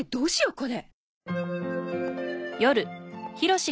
これ。